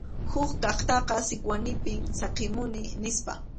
Huk kaqtaqa Sikwanipim saqimuni nispa.